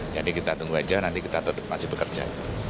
jadi kita tunggu aja nanti kita tetap masih bekerja